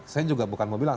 saya juga bukan mau bilang